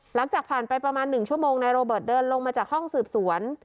หลังจากผ่านไปประมาณ๑ชั่วโมงนายโรเบิร์ตเดินลงมาจากห้องสืบสวน